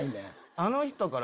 あの人から。